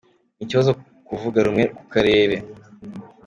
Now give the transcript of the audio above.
Ni ikibazo ku kuvuga rumwe ku karere